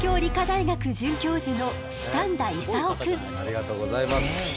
ありがとうございます。